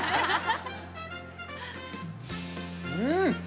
うん。